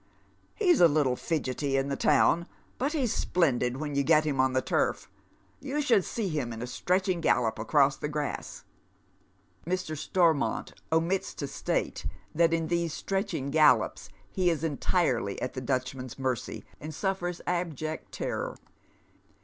" He's a httle fidgety in '.he to%vn, but he's splendid when yoa get him on the turf. You should see him in a stretching gallop across the grass." " Mr. Stormont omits to ptate that in these stretching gallops he is entirely at the Dutchman's mercy, and suffers abject terror.